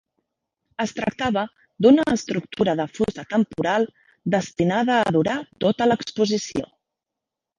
Es tractava d'una estructura de fusta temporal destinada a durar tota l'exposició.